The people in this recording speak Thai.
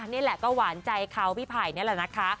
นี่แหละก็หวานใจเขาพี่ไผ่นี่แหละนะคะ